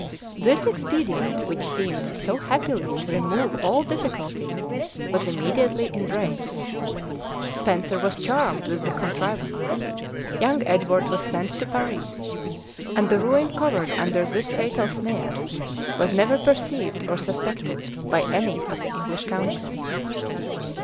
This expedient, which seemed so happily to remove all difficulties, was immediately embraced: Spenser was charmed with the contrivance: young Edward was sent to Paris: and the ruin covered under this fatal snare, was never perceived or suspected by any of the English council.